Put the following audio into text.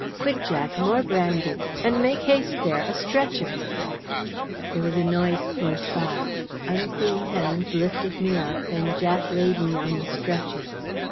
Quick, Jack, more brandy! And make haste there a stretcher!" There was a noise close by. Unseen hands lifted me up, and Jack laid me on the stretcher.